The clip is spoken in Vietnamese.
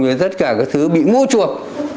với tất cả các thứ bị mua chuộc